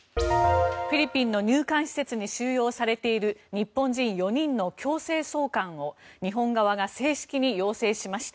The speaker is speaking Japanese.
フィリピンの入管施設に収容されている日本人４人の強制送還を日本側が正式に要請しました。